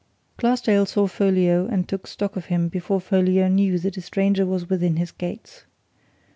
Glassdale saw Folliot and took stock of him before Folliot knew that a stranger was within his gates.